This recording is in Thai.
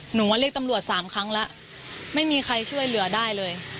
หนูมาเรียกตำรวจสามครั้งแล้วไม่มีใครช่วยเหลือได้เลย